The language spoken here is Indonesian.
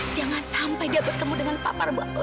jangan sampai dia bertemu dengan pak prabu